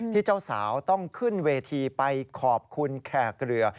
เจ้าสาวต้องขึ้นเวทีไปขอบคุณแขกเรือ